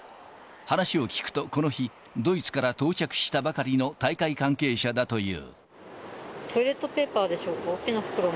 話を聞くとこの日、ドイツから到着したばかりの大会関係者だという。